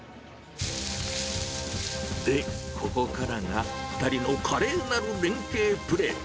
で、ここからが、２人の華麗なる連係プレー。